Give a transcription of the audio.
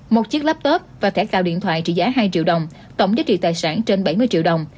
một chiếc laptop và thẻ cào điện thoại trị giá hai triệu đồng tổng giá trị tài sản trên bảy mươi triệu đồng